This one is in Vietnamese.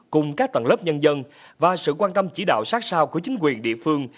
cùng các tầng lớp nhân dân và sự quan tâm chỉ đạo sát sao của chính quyền địa phương